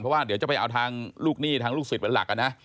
เพราะว่าเดี๋ยวจะไปเอาทางลูกหนี้ทางลูกศิษย์เป็นหลักนะ